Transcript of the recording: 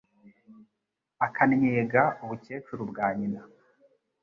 akannyega ubukecuru bwa nyina